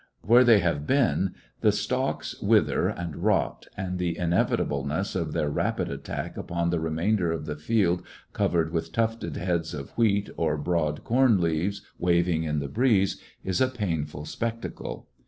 Where they have been the 147 ^ecoiiections of a stalks wither and rot, and the inevitableness of their rapid attack upon the remainder of the field covered with tufted heads of wheat or broad corn leaves waving in the breeze, is a painful spectacle.